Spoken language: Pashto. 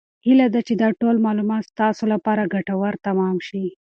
هیله ده چې دا ټول معلومات ستاسو لپاره ګټور تمام شي.